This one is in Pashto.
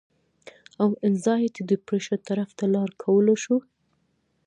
او انزائټي ډپرېشن طرف ته لار کولاو شي